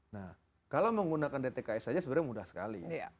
nah kalau menggunakan dtks saja sebenarnya mudah sekali